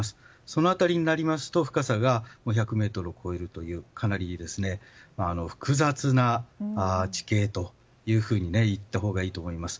その辺りになりますと深さが１００ｍを超えるというかなり複雑な地形というふうにいったほうがいいと思います。